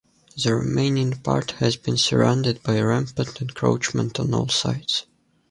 The remaining part has been surrounded by rampant encroachment on all sides.